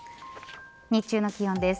日中の気温です。